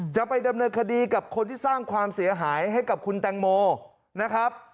จะไปดำเนินคดีกับคนที่สร้างความเสียหายให้กับคุณแตงโมนะครับ